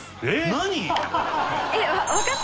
何？